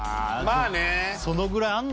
まあね